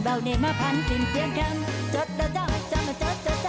เบาเนมพันผิงเพียงขังจดเจ้าเจ้าจ